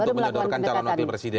untuk menyodorkan calon wakil presiden